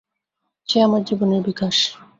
সে আমার জীবনের বিকাশ।